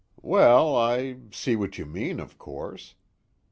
"Well, I see what you mean of course."